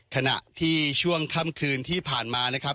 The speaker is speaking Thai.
ขณะที่ช่วงค่ำคืนที่ผ่านมานะครับ